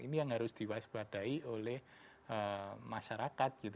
ini yang harus diwaspadai oleh masyarakat